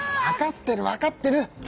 わかってるわかってる！